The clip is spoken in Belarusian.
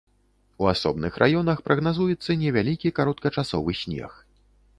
У асобных раёнах прагназуецца невялікі кароткачасовы снег.